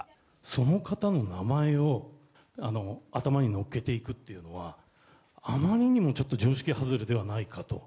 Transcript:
その方の名前を頭にのっけていくっていうのは、あまりにもちょっと常識外れではないかと。